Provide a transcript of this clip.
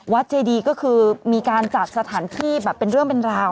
เจดีก็คือมีการจัดสถานที่แบบเป็นเรื่องเป็นราว